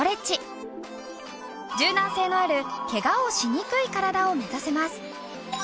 柔軟性のあるケガをしにくい体を目指せます。